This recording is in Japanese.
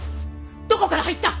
どこから入った！